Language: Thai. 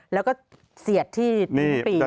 แล้วก็เสียดที่ลิ้นปี